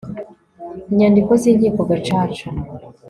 Inyandiko z inkiko Gacaca